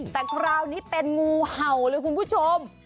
แต่คราวนี้เป็นงูเห่าเลยคุณผู้ชม